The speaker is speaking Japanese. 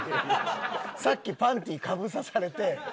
さっきパンティーかぶさされて。